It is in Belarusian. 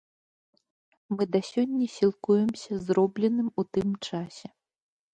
Мы да сёння сілкуемся зробленым у тым часе.